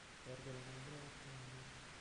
Perde la madre ad otto anni.